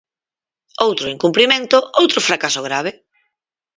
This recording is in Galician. Outro incumprimento, outro fracaso grave.